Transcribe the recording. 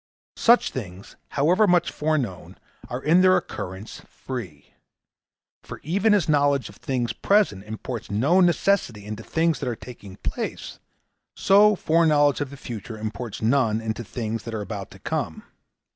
Such things, however much foreknown, are in their occurrence free. For even as knowledge of things present imports no necessity into things that are taking place, so foreknowledge of the future imports none into things that are about to come.